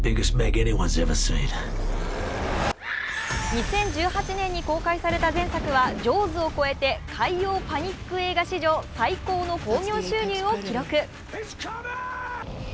２０１８年に公開された前作は「ジョーズ」を超えて海洋パニック映画史上最高の興行収入を記録。